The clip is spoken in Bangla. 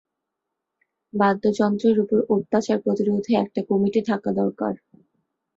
বাদ্যযন্ত্রের উপর অত্যাচার প্রতিরোধে একটা কমিটি থাকা দরকার।